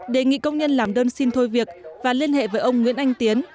đề nghị công nhân làm đơn xin thôi việc và liên hệ với ông nguyễn anh tiến